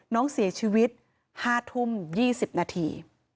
น้องเสียชีวิต๕ทุ่ม๒๐นาที